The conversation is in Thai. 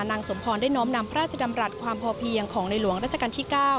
สมพรได้น้อมนำพระราชดำรัฐความพอเพียงของในหลวงราชการที่๙